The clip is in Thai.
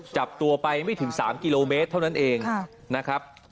จับตัวไปไม่ถึง๓กิโลเมตรเท่านั้นเองนะครับ